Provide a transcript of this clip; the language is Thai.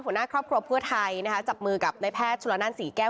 หัวหน้าครอบครัวเพื่อไทยนะคะจับมือกับนายแพทย์ชุลนั่นศรีแก้ว